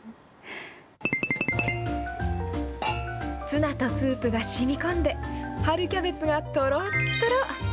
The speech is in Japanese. ツナとスープがしみこんで、春キャベツがとろっとろっ。